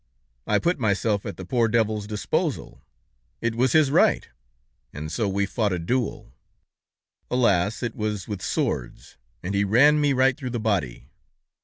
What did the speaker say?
"I put myself at the poor devil's disposal; it was his right, and so we fought a duel. Alas! It was with swords, and he ran me right through the body.